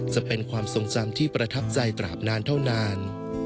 จะเป็นความทรงจำที่ประทับใจตราบนานเท่านาน